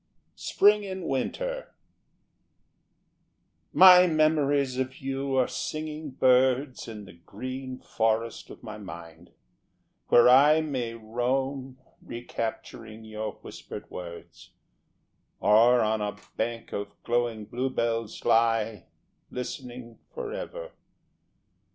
Spring in Winter My memories of you are singing birds In the green forest of my mind, where I May roam, recapturing your whispered words, Or on a bank of glowing bluebells lie, Listening for ever.